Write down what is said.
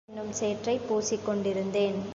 பிரபஞ்சம் என்னும் சேற்றைப் பூசிக் கொண்டிருந்தேன்.